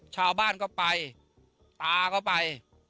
ชาวบ้านก็ไปตาก็ไป